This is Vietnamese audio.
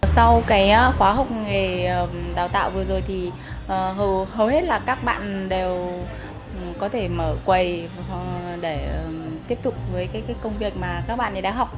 sau cái khóa học nghề đào tạo vừa rồi thì hầu hết là các bạn đều có thể mở quầy để tiếp tục với công việc mà các bạn ấy đã học